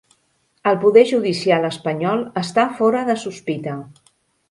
El poder judicial espanyol està fora de sospita